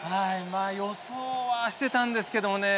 まあ予想はしてたんですけどもね。